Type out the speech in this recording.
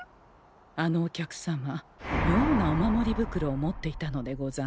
あのお客様みょうなお守り袋を持っていたのでござんす。